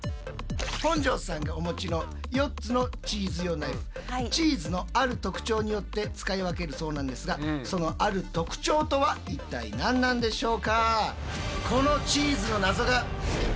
本上さんがお持ちの４つのチーズ用ナイフチーズのある特徴によって使い分けるそうなんですがそのある特徴とは一体何なんでしょうか？